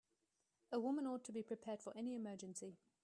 A woman ought to be prepared for any emergency.